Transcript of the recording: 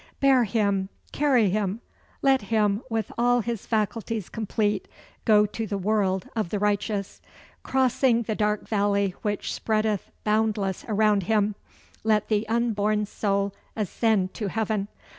"Bear him, carry him; let him, with all his faculties complete, go to the world of the righteous. Crossing the dark valley which spreadeth boundless around him, let the unborn soul ascend to heaven.